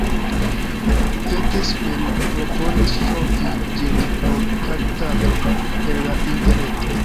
Fettes mem proponis ŝovi ĝin por traktado per la interreto.